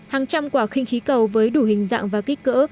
hàng trăm quả khinh khí cầu với đủ hình dạng và kích cỡ